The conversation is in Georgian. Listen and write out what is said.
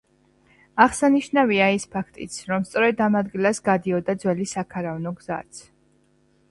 აღსანიშნავია ის ფაქტიც, რომ სწორედ ამ ადგილას გადიოდა ძველი საქარავნო გზაც.